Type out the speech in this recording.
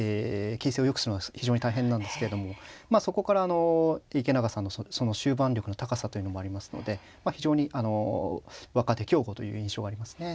形勢をよくするのは非常に大変なんですけどもまあそこからあの池永さんのその終盤力の高さというのもありますので非常にあの若手強豪という印象がありますね。